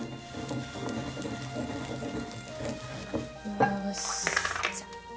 よしじゃあ。